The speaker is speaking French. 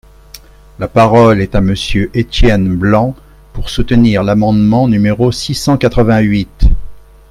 La parole est à Monsieur Étienne Blanc, pour soutenir l’amendement numéro six cent quatre-vingt-huit.